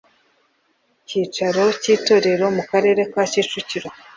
cyicaro cy itorero mu Karere ka Kicukiro